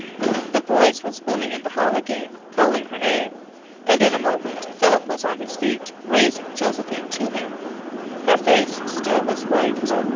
The voice was booming in the hall again, calling her name, and in a moment Philip was on his feet raising Josephine to him. Her face still was white.